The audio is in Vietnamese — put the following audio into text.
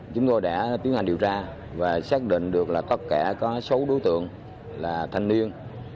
chúng tôi đã tiến hành điều tra và xác định được là có kẻ có số đối tượng là thanh niên